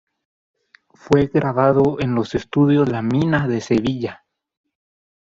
Fue grabado en los Estudios La Mina de Sevilla.